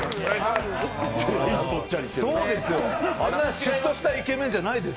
シュッとしたイケメンじゃないです。